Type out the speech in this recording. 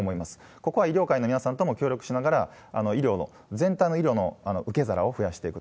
ここは医療界の皆さんとも協力しながら、医療の、全体の医療の受け皿を増やしていく。